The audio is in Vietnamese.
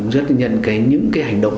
ghi nhận những cái hành động